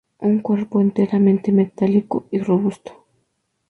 Un cuerpo enteramente metálico y robusto.